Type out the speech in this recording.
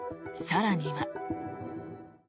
更には。